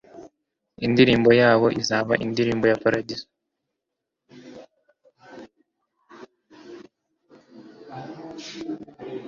indirimbo yabo izaba indirimbo ya paradizo